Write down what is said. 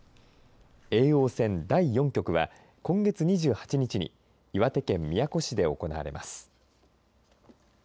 叡王戦第４局は今月２８日に岩手県宮古市で行われます。